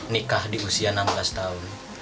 nikah di usia enam belas tahun